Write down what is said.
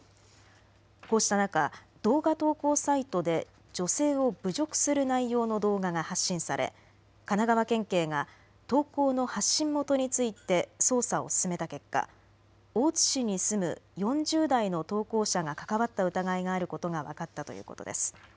こうした中、動画投稿サイトで女性を侮辱する内容の動画が発信され神奈川県警が投稿の発信元について捜査を進めた結果、大津市に住む４０代の投稿者が関わった疑いがあることが分かったということです。